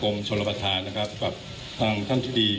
คุณผู้ชมไปฟังผู้ว่ารัฐกาลจังหวัดเชียงรายแถลงตอนนี้ค่ะ